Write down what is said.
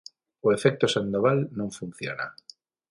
O efecto Sandoval non funciona.